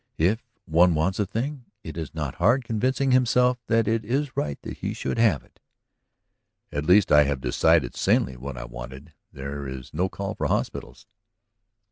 If one wants a thing, it is not hard convincing himself that it is right that he should have it." "At least I have decided sanely what I wanted, there is no call for hospitals."